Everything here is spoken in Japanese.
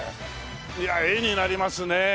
いや絵になりますね。